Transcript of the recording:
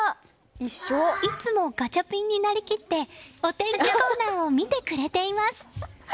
いつもガチャピンになりきってお天気コーナーを見てくれています。